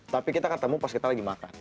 tapi kita ketemu pas kita lagi makan